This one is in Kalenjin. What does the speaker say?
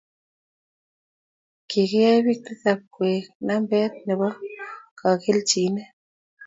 Kigiyay biik tisap koeg nambet nebo kageljinet